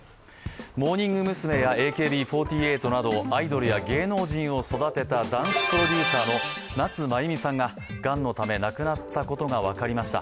モーニング娘やＡＫＢ４８などアイドルや芸能人を育てたダンスプロデューサーの夏まゆみさんが、がんのため亡くなったことが分かりました。